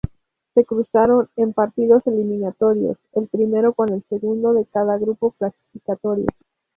Se cruzaron, en partidos eliminatorios, el primero con el segundo de cada grupo clasificatorio.